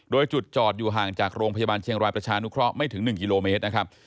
โดยจุดจอดอยู่ห่างจากโรงพยาบาลเชียงรายประชานุเคราะห์ไม่ถึง๑กิโลเมตรนะครับ